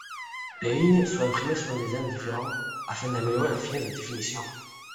Les lignes sont imprimées selon des angles différents afin d’améliorer la finesse de définition.